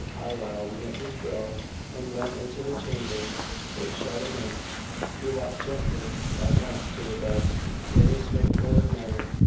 Carlyle knit his brow and went into the chamber. They shut him in. He walked gently at once to the bed, in his straightforward manner.